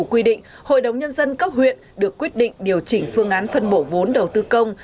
quy định hội đồng nhân dân cấp huyện được quyết định điều chỉnh phương án phân bổ vốn đầu tư công